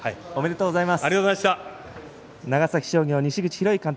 おめでとうございます。